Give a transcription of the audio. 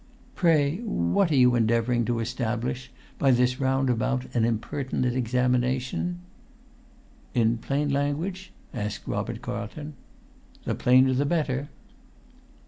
"Pray what are you endeavouring to establish by this round about and impertinent examination?" "In plain language?" asked Robert Carlton. "The plainer the better."